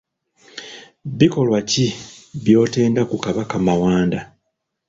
Bikolwa ki by'otenda ku Kabaka Mawanda?